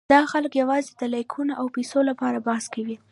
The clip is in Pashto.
دا خلک یواځې د لایکونو او پېسو لپاره بحث کوي.